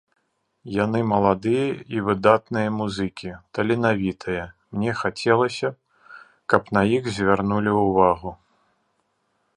Яны маладыя і выдатныя музыкі, таленавітыя, мне хацелася б, каб на іх звярнулі ўвагу.